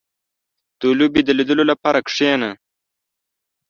• د لوبې د لیدو لپاره کښېنه.